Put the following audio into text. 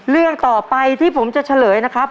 เรื่องต่อไปที่ผมจะเฉลยนะครับ